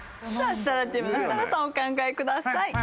お考えください。